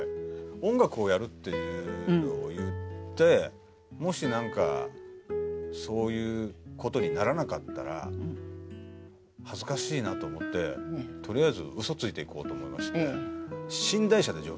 音楽をやるというのを言ってもしなんかそういう事にならなかったら恥ずかしいなと思ってとりあえずウソついて行こうと思いまして。